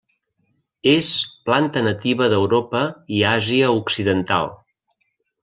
És planta nativa d'Europa i Àsia occidental.